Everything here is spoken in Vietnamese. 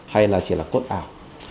hay là chỉ là cốt ảo